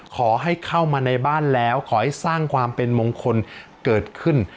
ขอให้เข้ามาในบ้านแล้วขอให้สร้างความเป็นมงคลเกิดขึ้น